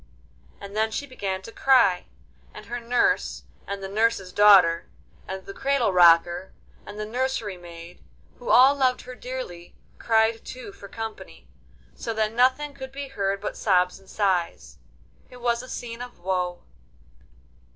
And then she began to cry, and her nurse, and the nurse's daughter, and the cradle rocker, and the nursery maid, who all loved her dearly, cried too for company, so that nothing could be heard but sobs and sighs. It was a scene of woe.